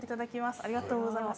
ありがとうございます。